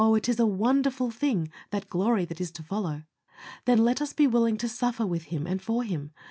it is a wonderful thing, that glory that is to follow. Then let us be willing to suffer with Him and for Him.